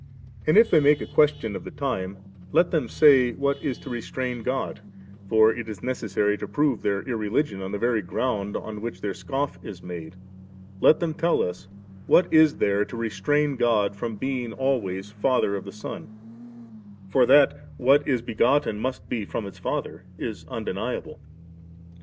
And if they make a question of the time, let them say what is to restrain God—for it is necessary to prove their irreligion on the very ground on which their scoff is made — ^let them tell us, what is there to restrain God from being always Father of the Son ; for that what is begotten must be from its father is undeniable.